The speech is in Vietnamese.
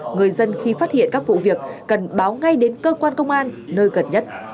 người dân khi phát hiện các vụ việc cần báo ngay đến cơ quan công an nơi gần nhất